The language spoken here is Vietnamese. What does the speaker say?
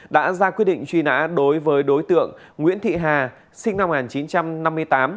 đã ra quyết định truy nã đối với đối tượng nguyễn thị hà sinh năm một nghìn chín trăm năm mươi tám